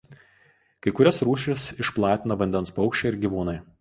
Kai kurias rūšis išplatina vandens paukščiai ir gyvūnai.